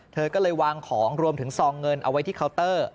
เธอก็เลยวางของรวมถึงซองเงินเอาไว้ที่เคาน์เตอร์